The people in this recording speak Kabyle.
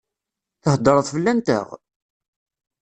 Theddṛeḍ fell-anteɣ?